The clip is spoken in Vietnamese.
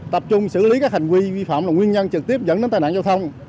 tập trung xử lý các hành vi vi phạm là nguyên nhân trực tiếp dẫn đến tai nạn giao thông